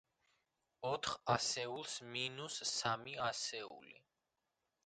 ოთხ ასეულს მინუს სამი ასეული.